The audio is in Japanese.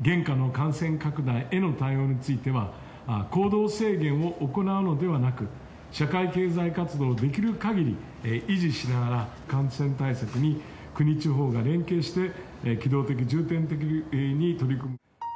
現下の感染拡大への対応については、行動制限を行うのではなく、社会経済活動をできる限り維持しながら、感染対策に国、地方が連携して、機動的、重点的に取り組む。